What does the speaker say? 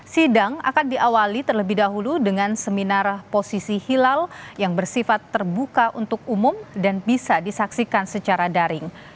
sidang akan diawali terlebih dahulu dengan seminar posisi hilal yang bersifat terbuka untuk umum dan bisa disaksikan secara daring